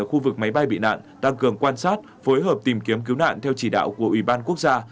khu vực máy bay bị nạn tăng cường quan sát phối hợp tìm kiếm cứu nạn theo chỉ đạo của ủy ban quốc gia